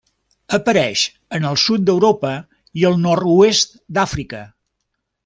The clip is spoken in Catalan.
Apareix en el sud d'Europa i el nord-oest d'Àfrica.